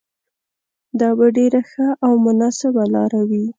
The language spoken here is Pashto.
دا به ډېره ښه او مناسبه لاره وي.